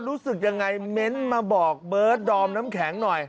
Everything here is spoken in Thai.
รู้สึกยังไงเม้นต์มาบอกเบิร์ตดอมน้ำแข็งหน่อย